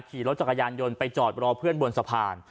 ขี่รถจักรยานยนต์ไปจอดรอเพื่อนบนสะพาน